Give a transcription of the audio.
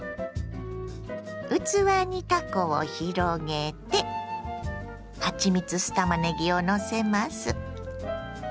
器にたこを広げてはちみつ酢たまねぎをのせます。